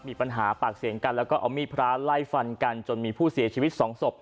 ปากเสียงกันแล้วก็เอามีดพระไล่ฟันกันจนมีผู้เสียชีวิตสองศพ